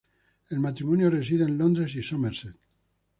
El matrimonio reside en Londres y Somerset.